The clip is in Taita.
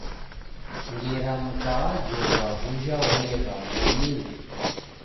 Ngera Mkawajomba w’uja olegha mumi?